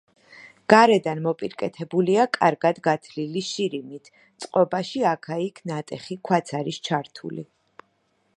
გარედან მოპირკეთებულია კარგად გათლილი შირიმით, წყობაში აქა-იქ ნატეხი ქვაც არის ჩართული.